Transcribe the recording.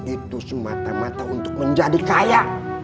itu semata mata untuk menjadi kaya